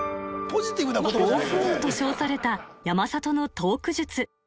暴風雨と称された山里のトーク術